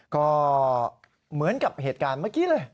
ก็เหมือนกับเหตุการณ์เมื่อกี้เลย